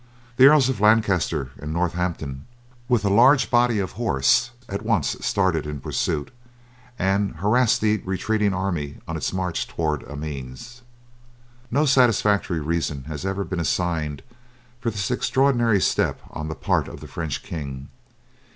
The Earls of Lancaster and Northampton, with a large body of horse at once started in pursuit, and harassed the retreating army on its march towards Amiens. No satisfactory reasons ever have been assigned for this extraordinary step on the part of the French king.